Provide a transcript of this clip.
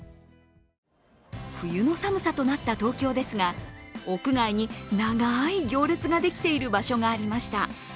冬の寒さとなった東京ですが屋外に長い行列ができている場所がありました。